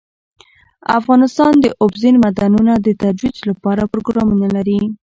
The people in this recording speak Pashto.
افغانستان د اوبزین معدنونه د ترویج لپاره پروګرامونه لري.